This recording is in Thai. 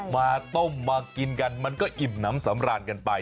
มาต้มมากินกันมันก็อิ่มน้ำสำราญกันไป